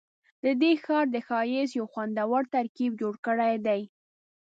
ددې ښار د ښایست یو خوندور ترکیب جوړ کړی دی.